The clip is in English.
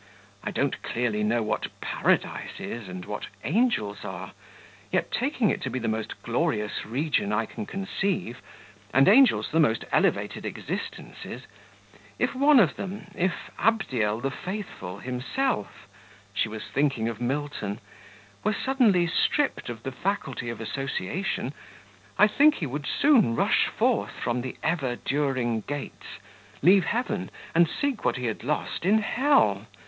I don't clearly know what Paradise is, and what angels are; yet taking it to be the most glorious region I can conceive, and angels the most elevated existences if one of them if Abdiel the Faithful himself" (she was thinking of Milton) "were suddenly stripped of the faculty of association, I think he would soon rush forth from 'the ever during gates,' leave heaven, and seek what he had lost in hell.